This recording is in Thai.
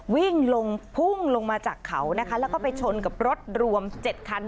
วิ่งลงพุ่งลงมาจากเขานะคะแล้วก็ไปชนกับรถรวม๗คัน